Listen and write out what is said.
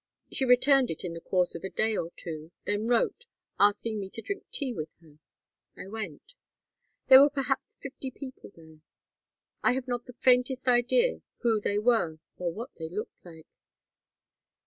She returned it in the course of a day or two, then wrote, asking me to drink tea with her. I went. There were perhaps fifty people there. I have not the faintest idea who they were or what they looked like.